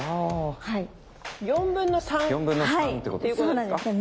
４分の３っていうことですか？